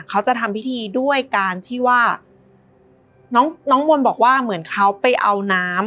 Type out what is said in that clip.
เขาจะทำพิธีด้วยการที่ว่าน้องน้องมนต์บอกว่าเหมือนเขาไปเอาน้ำ